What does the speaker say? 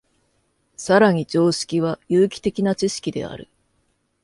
更に常識は有機的な知識である。